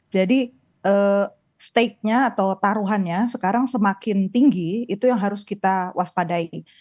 jadi stake nya atau taruhannya sekarang semakin tinggi itu yang harus kita waspadai